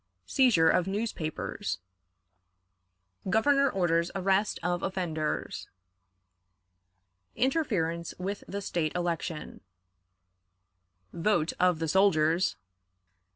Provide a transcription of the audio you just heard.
Seizure of Newspapers. Governor orders Arrest of Offenders. Interference with the State Election. Vote of the Soldiers.